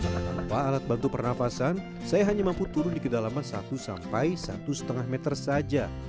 jangan lupa alat bantu pernafasan saya hanya mampu turun di kedalaman satu sampai satu lima meter saja